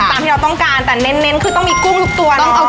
ตามที่เราต้องการแต่เน้นคือต้องมีกุ้งทุกตัว